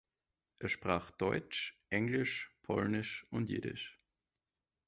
Er sprach deutsch, englisch, polnisch und jiddisch.